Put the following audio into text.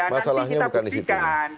masalahnya bukan disitunya